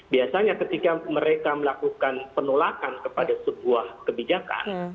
biasanya ketika mereka melakukan penolakan kepada sebuah kebijakan